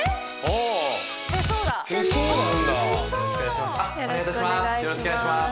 お願いします。